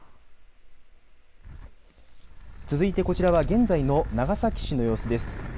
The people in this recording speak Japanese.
続いてこちらは現在の長崎市の様子です。